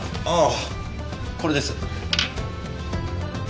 ああこれです。